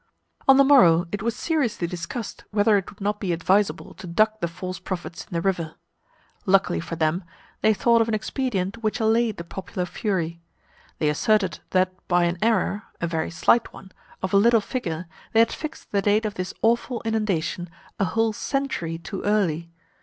On the morrow, it was seriously discussed whether it would not be advisable to duck the false prophets in the river. Luckily for them, they thought of an expedient which allayed the popular fury. They asserted that, by an error (a very slight one,) of a little figure, they had fixed the date of this awful inundation a whole century too early.